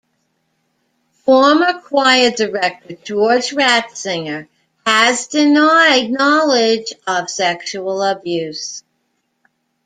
Former choir director Georg Ratzinger has denied knowledge of sexual abuse.